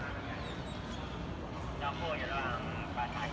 อันที่สุดท้ายก็คือภาษาอันที่สุดท้าย